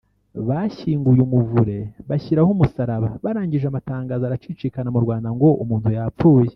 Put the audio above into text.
Bashyinguye umuvure bashyiraho umusaraba barangije amatangazo aracicikana mu Rwanda ngo umuntu yarapfuye